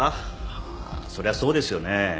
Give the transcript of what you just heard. はぁそりゃそうですよね。